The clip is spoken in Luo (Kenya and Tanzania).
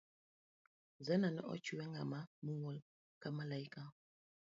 Zaina ne ochwe ng'ama muol ka maliaka